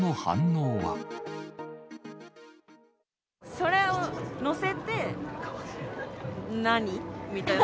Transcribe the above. それを載せて、何？みたいな。